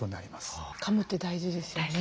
かむって大事ですよね。